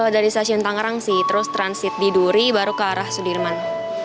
dari stasiun tangerang sih terus transit di duri baru ke arah sudirman